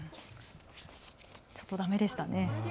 ちょっとだめでしたね。